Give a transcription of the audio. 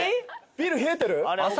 ビール冷えてる？